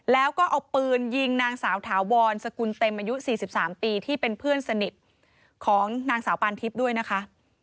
แล้วก็เอาปืนยิงนางสาวถาวรสกุลเต็มอายุ๔๓ปีที่เป็นเพื่อนสนิทของนางสาวปานทิพย์ด้วยนะคะ